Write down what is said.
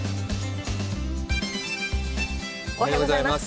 おはようございます。